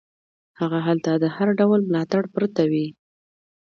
هغه هلته له هر ډول ملاتړ پرته وي.